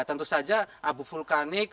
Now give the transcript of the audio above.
tentu saja abu vulkanik